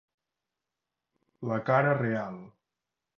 La cara real.